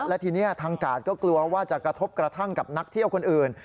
และทีนี้ทางกาดก็กลัวว่าจะกระทบกระทั่งกับนักเที่ยวคนอื่น